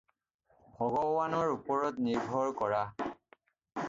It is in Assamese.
ভগৱানৰ ওপৰত নিৰ্ভৰ কৰা।